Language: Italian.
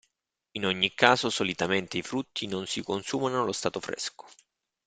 In ogni caso solitamente i frutti non si consumano allo stato fresco.